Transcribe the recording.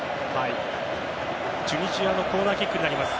チュニジアのコーナーキックになります。